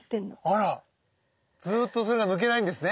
あらずっとそれが抜けないんですね